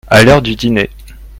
À l'heure du dîner.